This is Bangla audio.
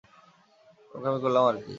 বোকামি করলাম আর কি!